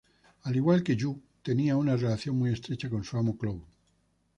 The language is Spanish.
Al igual que Yue, tenía una relación muy estrecha con su amo Clow.